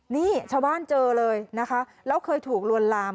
นี่ชาวบ้านเจอเลยนะคะแล้วเคยถูกลวนลาม